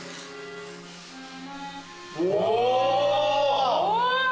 お！